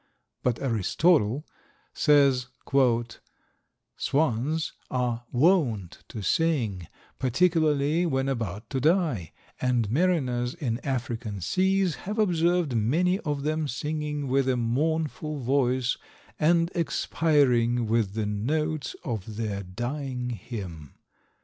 But Aristotle says, "Swans are wont to sing, particularly when about to die, and mariners in African seas have observed many of them singing with a mournful voice, and expiring with the notes of their dying hymn."